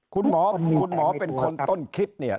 คุณหมอเป็นคนต้นคิดเนี่ย